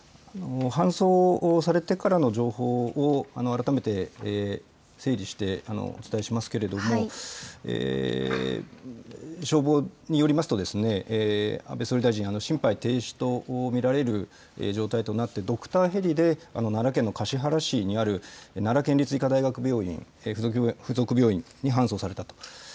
搬送されてからの情報を改めて整理してお伝えしますけれども、消防によりますと、安倍総理大臣、心肺停止と見られる状態となって、ドクターヘリで、奈良県の橿原市にある奈良県立医科大学附属病院に搬送されたと。